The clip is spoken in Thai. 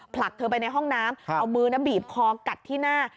ผลักเธอไปในห้องน้ำเอามือบีบคอกัดที่หน้า